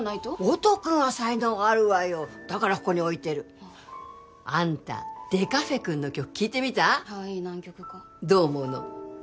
音くんは才能があるわよだからここに置いてるあんたデカフェくんの曲聴いてみた？はいい何曲かどう思うの？